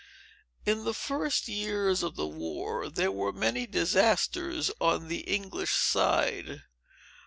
In the first years of the war, there were many disasters on the English side.